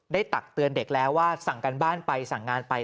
ตักเตือนเด็กแล้วว่าสั่งการบ้านไปสั่งงานไป